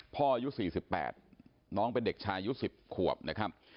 พ่อยู่๔๘น้องเป็นเด็กชายุด๑๐ขวบนะครับ